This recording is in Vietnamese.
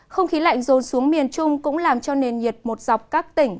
không khí lạnh rồn xuống miền trung cũng làm cho nền nhiệt một dọc các tỉnh